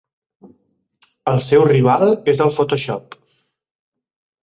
El seu rival és el Photoshop.